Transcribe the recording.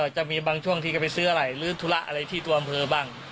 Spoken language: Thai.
จะมีบางช่วงที่เขาไปซื้ออะไรหรือธุระที่ทุวบรรพเมืองบ้าง